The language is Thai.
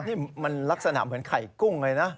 นี่มันลักษณะเหมือนไข่กุ้งเลยนะ